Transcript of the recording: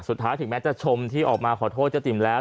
สุดท้ายถึงแม้จะชมที่ออกมาขอโทษจะจิ่มแล้ว